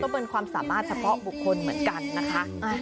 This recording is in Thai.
เป็นความสามารถเฉพาะบุคคลเหมือนกันนะคะ